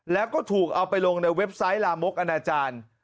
แล้วก็ถูกเอาไปลงในเว็บไซต์ลามกอนาจารย์